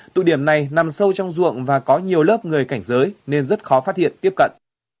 tụ điểm này nằm sâu trong ruộng và có nhiều lớp người cảnh giới nên rất khó phát hiện tiếp cận